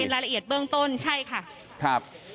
เป็นรายละเอียดเบื้องต้นใช่ค่ะ